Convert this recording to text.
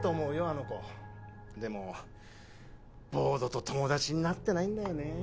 あの子でもボードと友達になってないんだよね